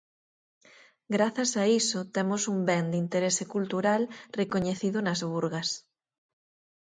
Grazas a iso temos un ben de interese cultural recoñecido nas Burgas.